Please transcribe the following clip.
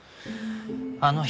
あの日。